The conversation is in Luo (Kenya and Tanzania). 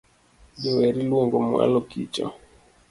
Jower iluongo mwalo kicho